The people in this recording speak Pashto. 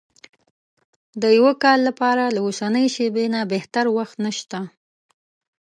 د يوه کار لپاره له اوسنۍ شېبې نه بهتر وخت نشته.